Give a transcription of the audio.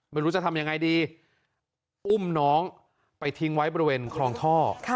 ไม่รู้จะทำยังไงดีอุ้มน้องไปทิ้งไว้บริเวณคลองท่อ